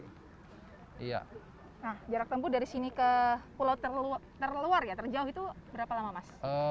nah jarak tempuh dari sini ke pulau terluar ya terjauh itu berapa lama mas